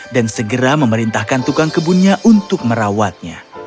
dan segera memerintahkan tukang kebunnya untuk merawatnya